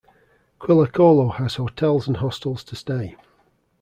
Quillacollo has hotels and hostels to stay.